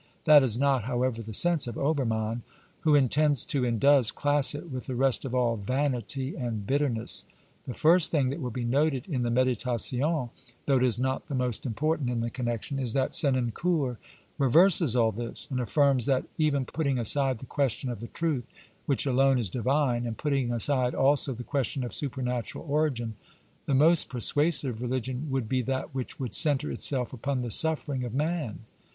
That is not, however, the sense of Obermann, who intends to, and does, class it with the rest of all vanity and bitterness. The first thing that will be noted in the Meditations, though it is not the most important in the connection, is that Senancour reverses all this and affirms that, even putting aside the question of the truth which alone is divine, and putting aside also the question of supernatural origin, the most persuasive religion would be that which would centre itself upon the suffering of man.